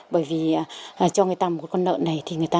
bởi vì cho người ta một con lợn này thì người ta